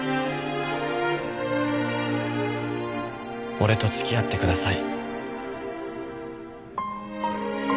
俺とつきあってください